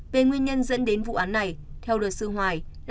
về nguyên nhân dẫn đến vụ án này theo luật sư hoài